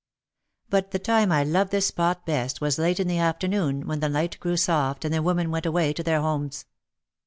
But the time I loved this spot best was late in the afternoon, when the light grew soft and the women went away to their homes.